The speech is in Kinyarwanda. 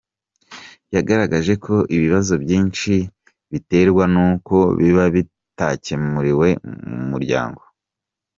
Yagaragaje ko ibibazo byinshi biterwa n’uko biba bitakemuriwe mu muryango.